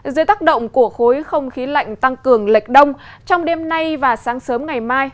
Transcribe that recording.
dưới tác động của khối không khí lạnh tăng cường lệch đông trong đêm nay và sáng sớm ngày mai